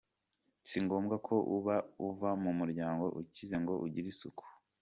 Si ngombwa ko uba uva mu muryango ukize ngo ugire isuku.